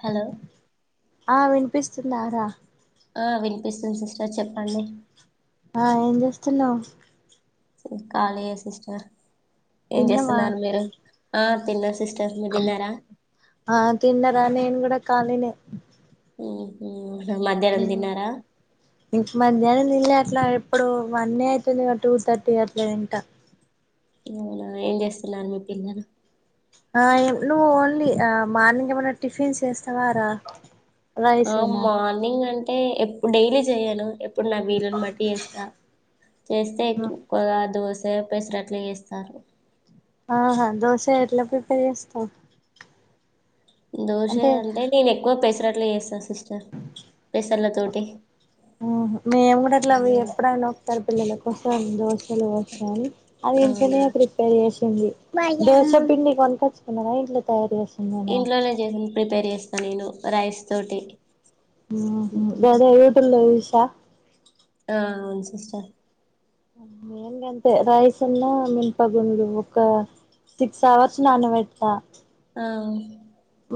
Hello ప్పిస్తుందారా ఆ వినిపిస్తుంది సిస్టర్ చెప్పండి ఆ ఏం చేస్తున్నవ్ అసల్ కాలియే సిస్టర్ ఏం తిన్నావా చేస్తున్నారు మీరు ఆ తిన్న సిస్టర్ మీరు తిన్నారా ఆ తిన్నరా నేను కూడా కాలినే ఊహు ఊ ఇప్ మధ్యానం తినలే అట్లా ఇప్పుడు వన్ ఏ ఐతుంది టూ థర్టీ అట్లా తింటా అవునా ఏం చేస్తున్నారు మీ పిల్లలు ఆ నువ్వు ఓన్లీ ఆ మార్నింగ్ ఏమనా టిఫిన్స్ చేస్తావా రా ఆ రైసేనా మార్నింగ్ అంటే ఎప్ డైలీ చేయను ఎప్ ఇప్పుడు నా వీళ్లుని బట్టి చేస్తా చేస్తే గా దోశ రేప్ పెసరట్లు ఏస్తరు ఆహా దోశ ఎట్ల ప్రిపేర్ చేస్తవ్ దోషే అంటే నేను ఎక్కువ పెసరట్లే చేస్తా సిస్టర్ పెసల తోటి ఏం లే ఆ మేము కూడా అట్లా అవి ఎప్పుడనా ఒకసారి పిల్లలకోసం దోశలు ఓసు గాని అది ఇం అవునా ధనియా ప్రిపేర్ చేసింది దోస పిండి కలుపచ్చుకున్నావ ఇంట్ల తయారు చేసి ఇంట్లోనే జల్దీ ప్రిపేర్ చేస్తా నేను రైస్ తోటి ఊహు మ్మ్. దాని యూటు లో చూసా ఆ అవును సిస్టర్ అమ్ నేన్ గంతే రయిసున్నా మినుప గుండ్లు ఒక తిక్స్ అవర్స్ నాన్న పెడతా అవును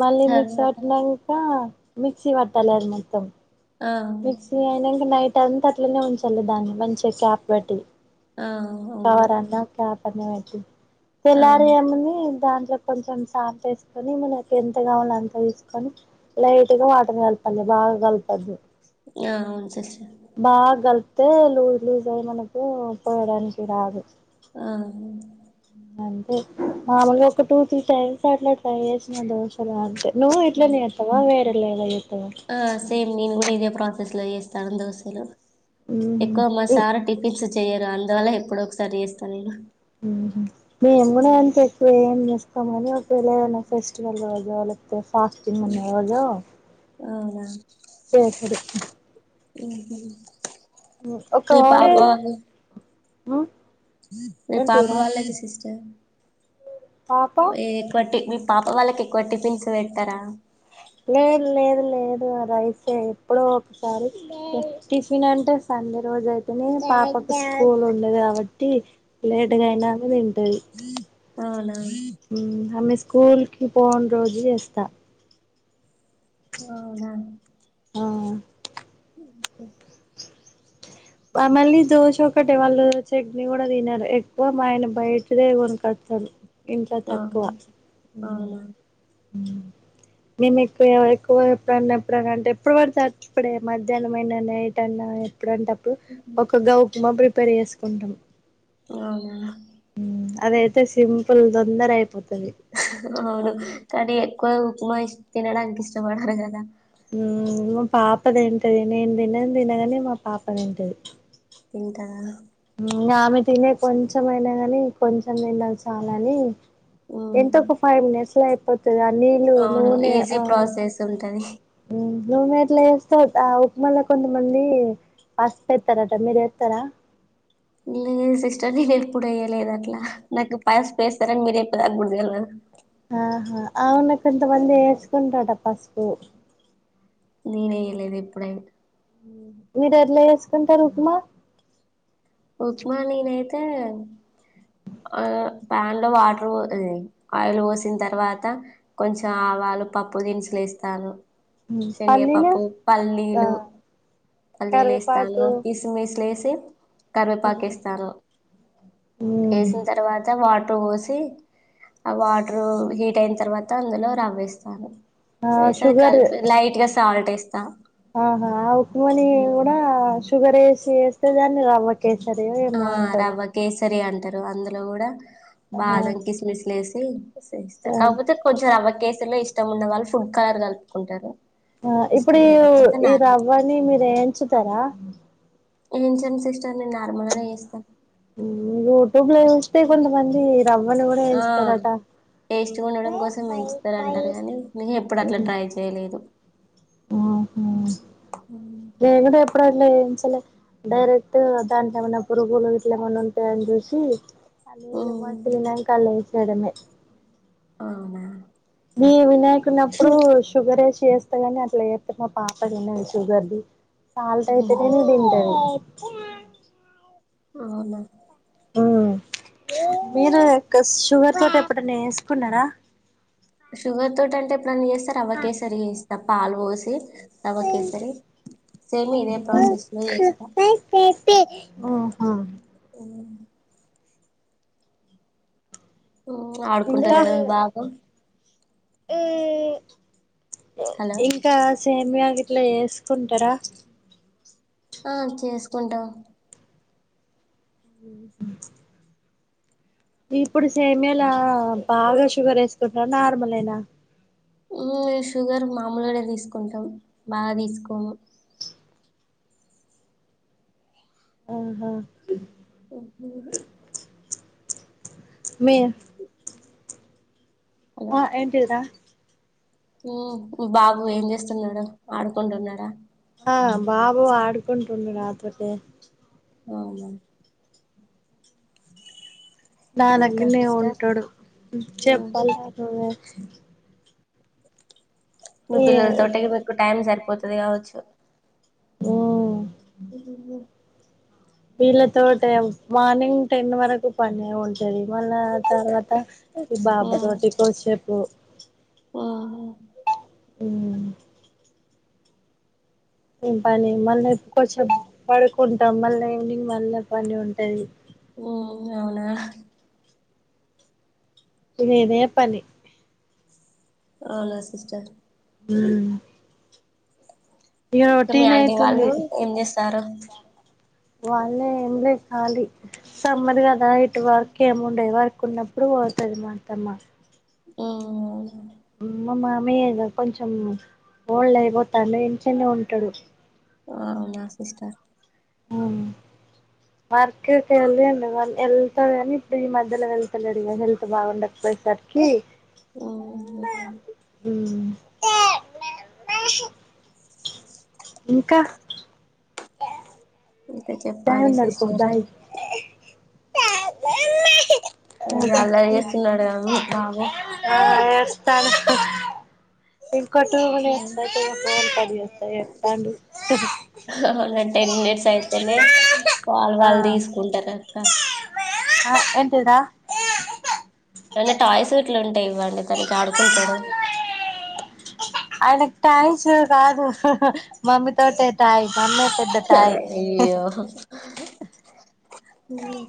మళ్ళీ మిక్సీ పట్టినాక మిక్సీ పట్టాలి అది మొత్తం ఆ మిక్సీ అయినాంక నైట్ అంతా అట్లనే ఉంచాల దాన్ని మంచిగా క్యాప్ పెట్టి ఆ అవును కవర్ అన్న క్యాప్ పెట్టి ఆ తెల్లరి ఏముంది. దాంట్లో కొంచెం సాల్ట్ వేసుకొని నీకు ఎంత కావాల అంత తీసుకొని లైట్ గా వాటర్ కలుపు మళ్ళీ బాగా కాలుపోదు యావున్ శేశి బాగా కలుపుతే లూజ్ లూజ్ అయి మనకు పోయడానికి రాదు, ఆ అంతే మామలుగా ఒక టూ త్రీ టైమ్స్ అట్లా ట్రై చేసిన దోశలో అంతే నువ్వు ఇట్ల ఉమ్. నే చేత్తవా వేరేలాగా చెత్తవా ఆ సేమ్ నేను కూడా ఇదే ప్రాసెస్ లో చేస్తాను, దోలు ఎక్కువ మా ఉహు సార్ టిఫిన్స్ చెయరు అందువల్ల ఎప్పుడో ఒకసారి చేస్తా నేను ఉహు ఉమ్, కొంతమంది ఒకవేళనా ఫెస్టివల్ రోజు లేకపోతే ఫాస్టింగ్ ఉన్న రోజు, అవునా చేసుడే ఉహు మీ ఒక్కడ పాప వాళ్ళు మీ పాప రాలేదా సిస్టర్ పాప ఏ కట్టి పాప వాళ్ళకి ఎక్కువ టిఫిన్స్ పెడతారా లేదు లేదు లేదు రైసే ఎప్పుడో ఒకసారి టిఫిన్ అంటే స సండే రోజ అయితేనే పాపకు స్కూల్ ఉండదు కాబట్టి, అవునా లేట్గానే తింటది, అవునా ఉ అన్ని స్కూల్కి పోన్ రోజులు చేస్తా ఆహా మళ్ళీ దోశ ఒకటే వాళ్ళు చట్నీ కూడా తినారు ఎక్కువ మా ఆయన బయటదే కొనుకోతారు, ఇంట్ల తక్కువ అవును, ఉ అవునా ఉ మేము ఎక్కువ ఎక్కువ ఎప్పుడన్నా ఎప్పుడన్నా అంటే ఎప్పుడు పడుతేచ్చపడే మధ్యాహ్నంమయినా నైట్ అన్నా ఎప్పుడంటేప్పుడు ఒక గా ఉప్మా ప్రిపేర్ చేసుకుంటాం, ఇగా మళ్ల అది అయితే సింపుల్గా తొందర అయిపోతది. అవును కానీ ఎక్కువ ఉప్మా ఇ తినడానికి ఇష్టపడారు కదా, మా పాప తింటది నేను తిిననే తినము గాని మా పాప తింటది. తింటా ఆమె తినే కొంచెమై అయినా కాని కొంచెం తిన్న చాలని ఉమ్ ఎంత ఒక ఫైవ్ మినిట్స్ లో అయిపోతది ఆ నీళ్లు, అవును నూనె ఈజీ ఆ ప్రాసెస్ ఉంటది నూనె ఎట్లా వేస్తా ఆ ఉప్మాలా కొన్ని మళ్ళీ పసుపు వేత్తరట మీరు వేత్తరా, లేదు సిస్టర్ నేను ఎప్పుడు అయ్యలేదు అట్లా నాకు పైస్ వేస్తారని మీరు ఎప్ప తాగ ఆహా అవున కొంతమంది వేస్కంట్రట పసుపు నేనే కదా ఎపుడైనా మీరు ఎట్లా చేసుకుంటారు, ఉప్మా ఉప్మా నేను అయితే ప్యాన్ లో వాటర్ ఆయిల్ పోసిన తర్వాత కొంచం అవా అల్లా పప్పుదినుసులు వేస్తాను పల్లీలు శనగపప్పు, ఆ పల్లీలు పల్లీలు వేస్తాను, కరివేపాకు మీస్ మిస్ లెస్ కరివేపాకిస్తాను ఉమ్ వేసిన తర్వాత వా వాటర్ పోసి ఆ వాటరు హీట్ అయిన తర్వాత అందులో రవ్వేస్తాను, ఆ వేసి అది షుగర్ కలిపి లైట్ గా సాల్ట్ వేస్తా ఆహా ఆ ఉప్మాని కూడా షుగర్ వేసి వేస్తే దాన్ని రాబట్టి కేసరి ఏమో అంటారు. సరే అంటారు అందులో కూడా ఆహా బాదం కిస్మిస్ లేసి స్తారు కాకపోతే కొంచెం రవ్వకేసులో ఇష్టం ఉన్న వాళ్ళు ఫుడ్ కలర్ కలుపుకుంటారు ఆ ఇప్పుడు ఇష్టం ఈ లేకపోతే ఈ నార్మల్ రవ్వని మీరు వేయించుతారా ఏయిచను సిస్టర్ నేను నార్మల్ గానే చేస్తాను యూట్యూబ్ లో చేస్తే కొంతమంది రవ్వని కూడా ఆ ఏస్తారట టేస్ట్గా ఉండడం కోసం ఎంచుతారు అంటారు కాగానీ నను ఎప్పుడు అట్లా ట్రై చేయలేదు ఆహా లేగంటే ఎప్పుడూ అట్లా వేయించాలే డైరెక్ట్ దాంట్లో ఏమైనా పురుగులు ఇట్ల ఏమన్నా ఉంటాయని చూసి అన్నీ ఇలా ఉమ్, మాసలున్నాయి ఇట్టు సైడు ఉన్నాయి. అవునా ఇ వినాయకున్నప్పుడు షుగర్ వేసి చేస్తా గాని అట్లా చేస్తంది మా పాప తిన్నాదు షుగర్ది పాల ఉహు, టైపు అయితేనే తింటది అవునా ఉమ్ మీరు షుగర్ తోటి ఎప్పుడన్నా వేసుకున్నారా షుగర్ తోటి అంటే ఎప్పుడున్న చేస్తారు రవ్వ కేసరి చేస్తా పాలు పోసి రవ్వ కేసరే సేమ్ ఇదే ప్రాసెస్ లో చేస్తా ఉహుమ్ ఉమ్ ఆడుకుంటారు ఇడా విభాగం ఆ హలో ఇంకా సేమియా గ ఇట్లా వేసుకుంటారా ఆ చేసుకుంటాం ఉమ్ ఇప్పుడు సేమియాలా బాగా షుగర్ వేసుకుంటారా నార్మల్ ఏనా ఉమ్ షుగర్ మామూలునే తీసుకుంటాం బాగా తీసుకోము ఉహుమ్ ఉహుహు మే అలా ఆ ఏంటిది రా ఉమ్ బాబు ఏం చేస్తున్నాడు ఆడుకుంటున్నాడా ఆ బాబు ఆడుకుంటుండు రాత్రికే అవును నా ఇంకా దగ్గరనే సిస్టర్ ఉంటాడు చెప్పాలి నాకు మీ పిల్లల తోటి మీకు టైం సరిపోతది కావచ్చు మ్మ్ ఉమ్ వీళ్ళతోటే మార్నింగ్ టెన్ వరకు పని ఉంటది మళ్ళా తర్వాత బాబు తోటి కోసేపు ఆహా అమ్ ఏం పని మళ్ళీ ఇప్పుడు కొంచెం పడుకుంటాం మళ్ళా ఈవినింగ్ మళ్ళీ పని ఉంటది ఉమ్ అవునా ఇదిదే పని అవునా సిస్టర్ హమ్ ఈగ మీ రొటీన్ ఆంటీ అయితుంది వాళ్ళు ఏం చేస్తారు వాళ్ళే ఏమి లే కాలి సమ్మర్ కదా ఇటు వర్క్ ఏముండేది వర్క్ ఉన్నప్పుడు ఎప్రూవ్ అవుతుంది మాత్రమ్మా ఓమ్ అమ్మ మామయ్యద కొంచెం ఓల్డ్ అయిపోతాడు ఇంచనే ఉంటాడు అవునా సిస్టర్ ఉమ్ మార్కట్ వెళ్ళిం డా మళ్ళ ఎల్ డు కానీ ఇప్పుడు ఈ మధ్యలో వెళ్తలేడు ఇ హెల్త్ బాగుండకపోయేసరికి ఉమ్ అదేలే ఏ ఇంకా ఇంకా దాయి చెప్పాలి ఉన్నడు పో సిస్టరు దాయి ఏంటి అల్లరి ఉమ్ చేస్తున్నాడుగా మీ బాబు ఉరుకో ఇస్తాడు. అక్కో [unintelligible] [unintelligible] అ అవు టెన్ మినిట్స్ అయిపోయినయి పాలు ఆ వాళ్ళు తీసుకుంటారు అక్క ఆ ఎంటిదా ఏన్న టాయ్స్ ఇట్లు ఉంటే ఇవ్వండి తనకి ఆడుకుంటాడు ఆయన టాయిస్ కాదు మమ్మీ తోటే టాయి మమ్మే పెద్ద టాయి ఉమ్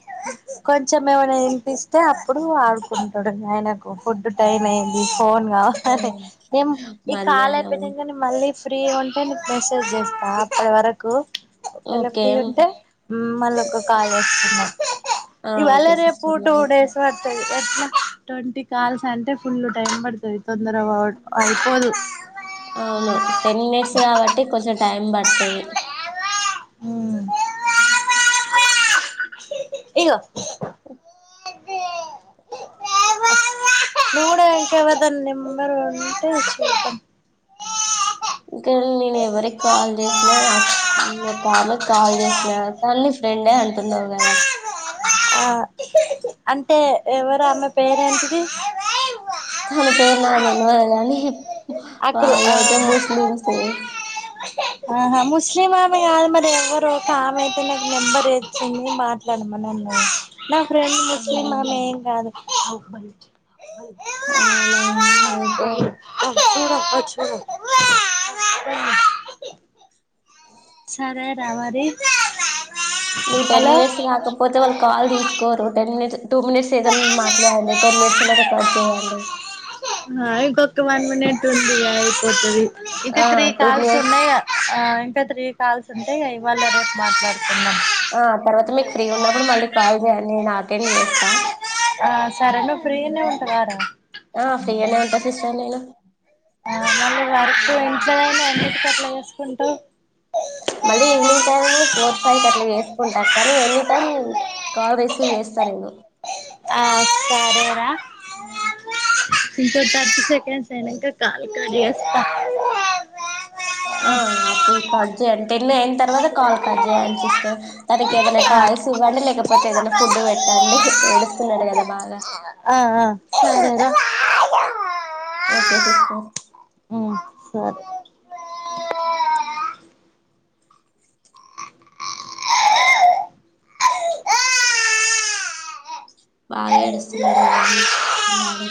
కొంచెం ఏమైనా తినిపిస్తే అప్పుడు ఆడుకుంటాడు ఆయనకు ఫుడ్ టైం అయింది ఫోన్ కావ ఆ అ నేం ఈ కాల్ మధ్యాహ్నం అయిపోయిట్ట కానీ మళ్ళీ ఫ్రీ ఉంటే నీకు మెసేజ్ చేస్తా అప్పటి వరకు ఒకవేళ ఓకే ఫ్రీ ఉంటే మళ్ళ ఒక కాల్ చేస్తున్నారు ఆ ఇవాళ ఓకే రేపు సిస్టర్ టూ మరైతే డేస్ వర్క్ ఎట్లా ట్వంటీ కాల్స్ అంటే ఫుల్ టైమ్ పడుతుంది తొందరగా అయిపోదు అవును టెన్ మినిట్స్ కాబట్టి కొంచెం టైం పడుతుంది హమ్ ఇగో ఆ అే మూడే కదా ఇంకా ఎవరిది నంబర్ ఉంటే ఇంకా నేను ఎవరికీ కాల్ చేసిన ఒక ఆమెకి కాల్ చేసిన తన్ని ఫ్రెండే అంటున్నావు కదా ఆ అంటే ఎవరా అమ్మె పేరెంటిది తన పేరు నాకు తెలవదు కానీ అగ్రు వాళ్ళయితే ఆహా ముస్లిమ్స్ ఆహా ముస్లిం ఆమె కాదు మరి ఎవ్వరు ఒక ఆమె అయితే నాకు నెంబర్ వచ్చింది మాట్లాడమనండి నా ఫ్రెండ్ ముస్లిం అవును ఆమె ఏమె కాదు అవును అయితే వచ్చి పోను సరే రా వరి నువ్వు టెన్ మినిట్స్ కాకపోతే వాళ్ళు కాల్ తీసుకోరు టెన్ మినిట్స్ టూ మినిట్స్ ద మాట్లాడండి టెన్ మినిట్స్ కచ్ చేయండి ఒక వన్ మినిట్ ఉంది అయిపోతుది ఇది ఆ త్రీ టూ కాల్స్ మినిట్స్ ఉన్నాయి ఆ త్రి కాల్స్ ఉంటే ఇవాళ్ళ రేపు మాట్లాడుకుందాం ఆ తర్వాత మీకు ఫ్రీ ఉన్నప్పుడు మళ్ళీ కాల్ చేయండి నేను అటెండ్ చేస్తా ఆ సరే నువ్వు ఫ్రీనే ఉంట కాదా ఆ ఫ్రీగానే ఉంటా సిస్టర్ నేను మళ్ళీ వర్క్ ఇంట్లోదైనా అన్నింటికట్లా చేసుకుంటూ మళ్ళీ ఈవినింగ్ టైమ్ ఫోర్ ఫైవ్ కు అట్లా చేసుకుంటా కానీ ఎనీ టైమ్ కాల్ రిసీవ్ చేస్తా నేను వీళ్ళే ఆ సరే ఆమ్ ఇంకో తర్టీ సెకండ్స్ అయినాకా నేను కాల్ కట్ చేస్తా ఆ అప్పుడు కట్జయడి టెన్ అయిన తర్వాత కాల్ కట్జ చేయయండి సిస్టర్ తనికి ఏదైనా టాయ్ స్ ఇవ్వండి లేకపోతే ఏదైనా ఫుడ్ పెట్టండి ఏడుస్తుకున్నాడు కదా బాగా ఆ ఆ ఓకే సిస్టర్ ఆ సరే బాగా ఎడుస్తున్నారుడు కదా [inaudible] ఎడు